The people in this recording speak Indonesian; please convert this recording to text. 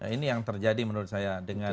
nah ini yang terjadi menurut saya dengan